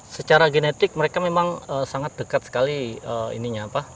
secara genetik mereka memang sangat dekat sekali